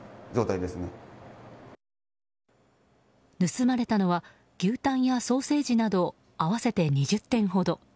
盗まれたのは牛タンやソーセージなど合わせて２０点ほど。